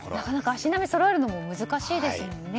足並みをそろえるのも難しいですよね。